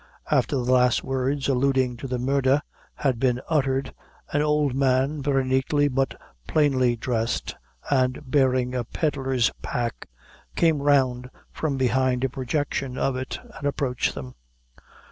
After the last words, alluding to the murder, had been uttered, an old man, very neatly but plainly dressed, and bearing a pedlar's pack, came round from behind a projection of it, and approached them.